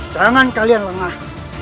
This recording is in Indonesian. jangan kalian lengah